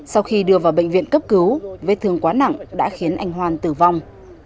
sau khi đưa vào bệnh viện cấp cứu vết thương quá nặng đã khiến anh hoan tử vong